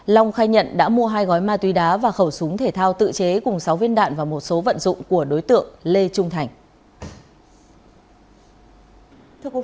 long khai nhận đã mua hai gói ma túy đá và khẩu súng thể thao tự chế cùng sáu viên đạn và một số vận dụng của đối tượng lê trung thành